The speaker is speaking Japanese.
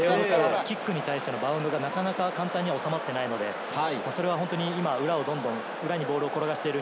キックに対してのバウンドがなかなか簡単に収まっていないので、裏をどんどん転がしている。